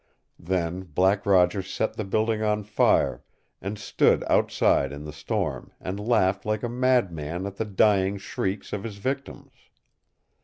Then Black Roger set the building on fire, and stood outside in the storm and laughed like a madman at the dying shrieks of his victims.